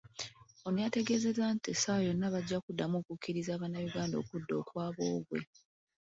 Ono yategeezezza nti essaawa yonna bajja kuddamu okukkiriza Abanayuganda okudda okwa boobwe.